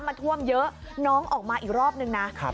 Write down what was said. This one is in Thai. มาท่วมเยอะน้องออกมาอีกรอบนึงนะ